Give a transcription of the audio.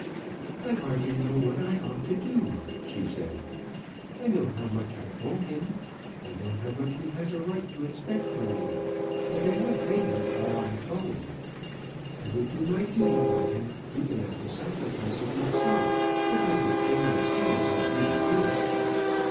"I hardly know what I ought to do," she said. "I know how much I owe him; I know how much he has a right to expect from me. And I would pay him all I owe; I would do my duty by him even at the sacrifice of myself if I could plainly see what my duty is."